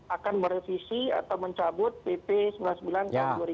akan merevisi atau mencabut pp sembilan puluh sembilan tahun dua ribu dua